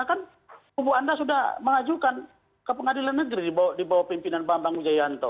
kan kubu anda sudah mengajukan ke pengadilan negeri di bawah pimpinan bambang wijayanto